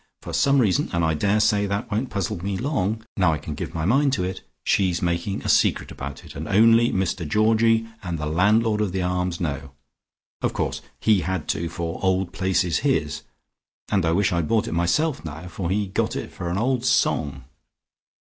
For some reason, and I daresay that won't puzzle me long, now I can give my mind to it, she's making a secret about it, and only Mr Georgie and the landlord of the Arms know. Of course he had to, for 'Old Place' is his, and I wish I had bought it myself now, for he got it for an old song."